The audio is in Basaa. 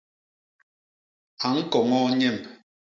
A ñkoñoo nyemb.